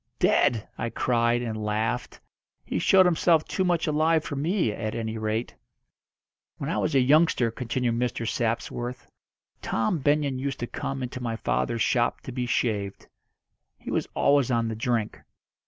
"Dead!" I cried, and laughed. "He showed himself too much alive for me, at any rate." "When I was a youngster," continued Mr. Sapsworth, "Tom Benyon used to come into my father's shop to be shaved. He was always on the drink.